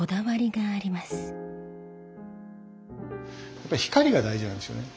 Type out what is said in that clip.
やっぱり光が大事なんですよね。